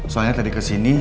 soalnya tadi kesini